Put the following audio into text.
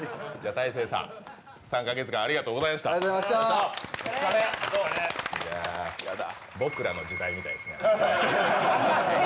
大晴さん３か月間ありがとうございました。